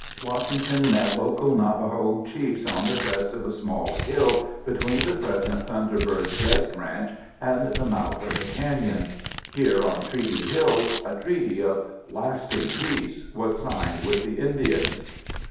Washington met local Navajo chiefs on the crest of a small hill between the present Thunderbird Guest Ranch and the mouth of the canyon. Here on Treaty Hill a treaty of "lasting peace" was signed with the Indians.